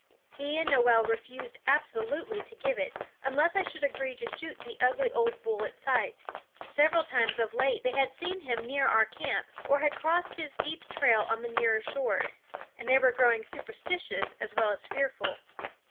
He and Noel refused absolutely to give it, unless I should agree to shoot the ugly old bull at sight. Several times of late they had seen him near our camp, or had crossed his deep trail on the nearer shores, and they were growing superstitious as well as fearful.